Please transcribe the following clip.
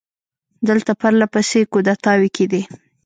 دلته پر له پسې کودتاوې کېدې.